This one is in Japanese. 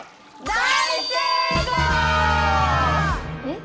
えっ？！